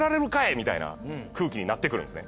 みたいな空気になってくるんですね。